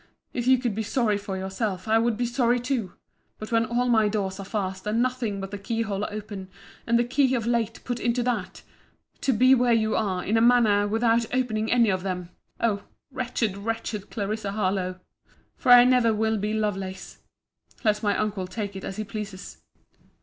if you could be sorry for yourself, I would be sorry too—but when all my doors are fast, and nothing but the key hole open, and the key of late put into that, to be where you are, in a manner without opening any of them—O wretched, wretched Clarissa Harlowe! For I never will be Lovelace—let my uncle take it as he pleases.